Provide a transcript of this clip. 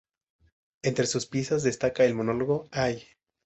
Entre sus piezas, destaca el monólogo "¡Ay!